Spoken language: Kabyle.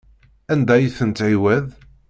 Anda ay ten-tdiwaḍ?